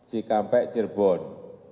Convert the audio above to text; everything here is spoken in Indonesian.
medan sampai ke pembaru